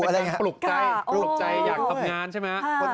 เป็นคำปลุกใจอยากทำงานใช่ไหม